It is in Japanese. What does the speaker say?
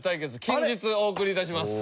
近日お送り致します。